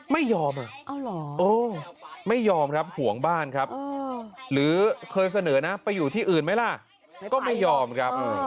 ไม่ยอมไม่ยอมครับห่วงบ้านครับหรือเคยเสนอนะไปอยู่ที่อื่นไหมล่ะก็ไม่ยอมครับ